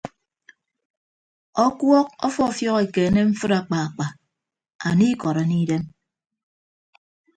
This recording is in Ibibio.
Ọkuọọk ọfiọfiọk ekeene mfịd akpaakpa anie ikọd anie idem.